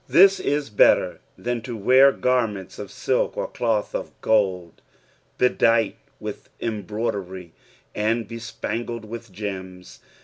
This is better than to wear gannents of utk or cloth of gold, bedight with embroidery and bespangled with gems.